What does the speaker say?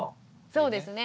そうですね。